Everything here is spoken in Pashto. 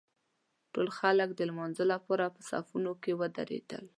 ټول خلک د لمانځه لپاره په صفونو کې ودرېدل.